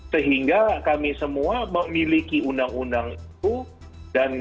sehingga kami semua memiliki undang undang itu dan